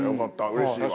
うれしいわ。